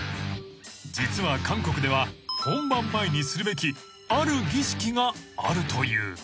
［実は韓国では本番前にするべきある儀式があるという］